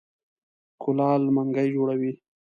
کولال منګی جوړوي.